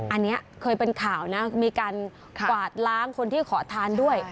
อันนี้เคยเป็นข่าวนะมีการกวาดล้างคนที่ขอทานด้วย